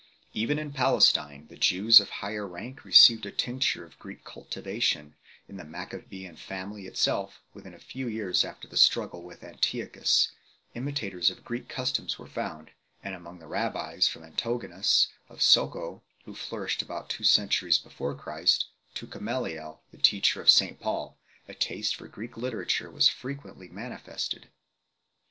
Even in Palestine the Jews pf higher rank received a tincture of Greek cultivation; in the Maccabean family itself, within a few years after the struggle with Antiochus, imitators of Greek customs were found 6 ; and among the rabbis, from Antigonus of Socho, who flourished about two centuries before Christ, to Gamaliel the teacher of St Paul, a taste for Greek literature was frequently mani fested.